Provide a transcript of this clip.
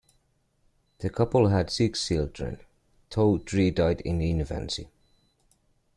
The couple had six children, though three died in infancy.